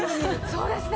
そうですね。